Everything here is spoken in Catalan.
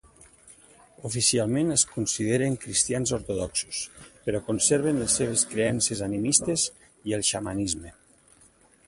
Oficialment es consideren cristians ortodoxos, però conserven les seves creences animistes i el xamanisme.